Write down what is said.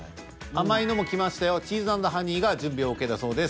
甘いのも来ましたよチ―ズ＆ハニ―が準備ＯＫだそうです。